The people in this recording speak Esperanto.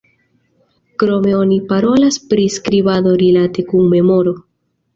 Krome oni parolas pri skribado rilate kun memoro.